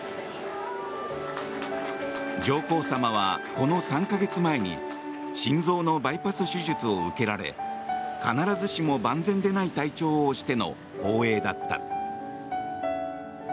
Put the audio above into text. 上皇さまはこの３か月前に心臓のバイパス手術を受けられ必ずしも万全でない体調を押しての訪英だった。